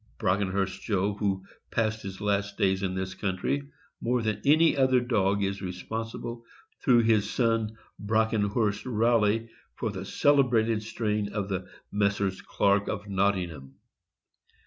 Brockenhurst Joe, who passed his last days in this country, more than any other dog is responsible, through his son Brockenhurst Rally, for the celebrated strain of the Messrs. Clark, of Nottingham.